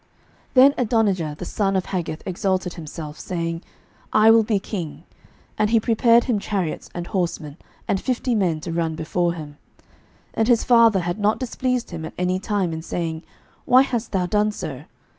11:001:005 Then Adonijah the son of Haggith exalted himself, saying, I will be king: and he prepared him chariots and horsemen, and fifty men to run before him. 11:001:006 And his father had not displeased him at any time in saying, Why hast thou done so?